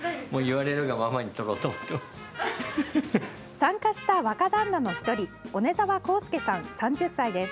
参加した若旦那の１人小根澤宏介さん、３０歳です。